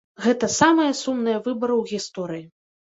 Гэта самыя сумныя выбары ў гісторыі.